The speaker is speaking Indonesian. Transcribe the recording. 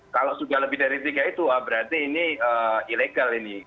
kalau sudah lebih dari tiga itu berarti ini ilegal ini